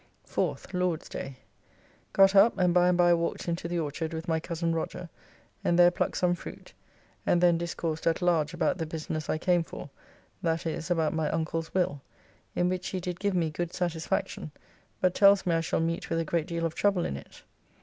4th (Lord's day). Got up, and by and by walked into the orchard with my cozen Roger, and there plucked some fruit, and then discoursed at large about the business I came for, that is, about my uncle's will, in which he did give me good satisfaction, but tells me I shall meet with a great deal of trouble in it.